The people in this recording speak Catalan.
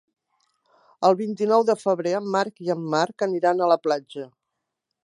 El vint-i-nou de febrer en Marc i en Marc aniran a la platja.